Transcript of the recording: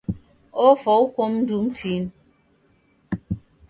Ofwa uko mndu mtini.